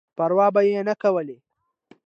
پر وا به یې نه کولای.